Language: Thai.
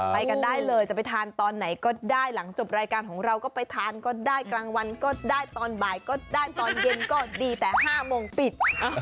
ไปกันได้เลยจะไปทานตอนไหนก็ได้หลังจบรายการของเราก็ไปทานก็ได้กลางวันก็ได้ตอนบ่ายก็ได้ตอนเย็นก็ดีแต่๕โมงปิด